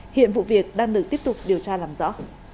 hiện vụ việc đang được tiếp tục điều tra làm rõ